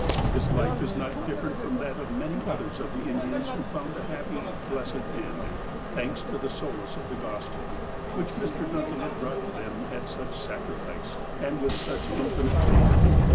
His life is not different from that of many others of the Indians who found a happy, blessed end, thanks to the solace of the Gospel, which Mr. Duncan had brought to them at such sacrifice, and with such infinite labour.